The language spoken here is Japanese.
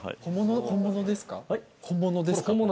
本物ですか？